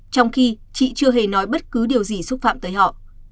trong khi chị chưa hề nói bất cứ điều gì xúc phạm tới họ